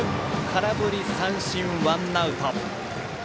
空振り三振、ワンアウト。